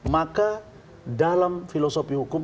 maka dalam filosofi hukum